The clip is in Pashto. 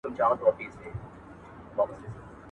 د دولت ځواک په تدريجي ډول کمېده.